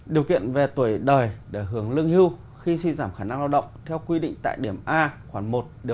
điều kiện về tuổi đời để hưởng lương hưu khi suy giảm khả năng lao động theo quy định tại điểm a khoảng một năm mươi năm